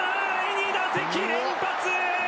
２打席連発！